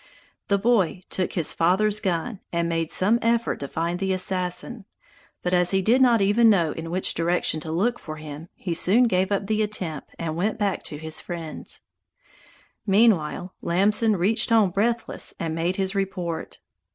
The boy took his father's gun and made some effort to find the assassin, but as he did not even know in which direction to look for him, he soon gave up the attempt and went back to his friends. Meanwhile Lamson reached home breathless and made his report.